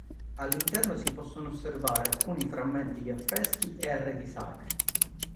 All'interno si possono osservare alcuni frammenti di affreschi e arredi sacri.